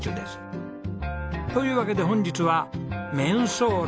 というわけで本日はめんそーれ！